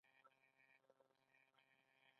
د ننګرهار په مومند دره کې د څه شي نښې دي؟